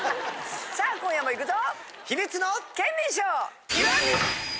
さあ今夜もいくぞ！